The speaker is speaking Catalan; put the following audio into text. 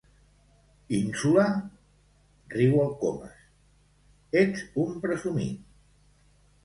Ínsula? —riu el Comas— Ets un presumit!